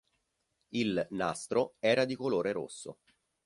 Il "nastro" era di colore rosso.